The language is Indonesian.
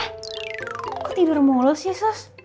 kok tidur mulu sih sus